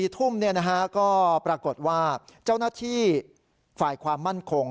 ๔ทุ่มก็ปรากฏว่าเจ้าหน้าที่ฝ่ายความมั่นคง